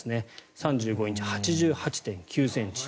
３５インチ８８．９ｃｍ。